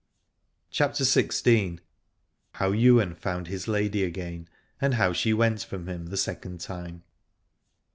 93 CHAPTER XVI. HOW YWAIN FOUND HIS LADY AGAIN, AND HOW SHE WENT FROM HIM THE SECOND TIME.